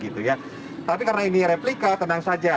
tapi karena ini replika tenang saja